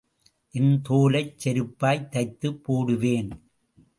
என் தோலைச் செருப்பாய்த் தைத்துப் போடுவேன்.